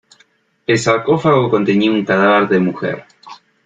El sarcófago contenía un cadáver de mujer.